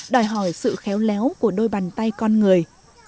đòi hỏi sự khéo léo của đôi bàn tay con người